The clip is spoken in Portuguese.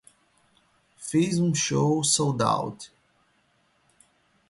fiz um show soldout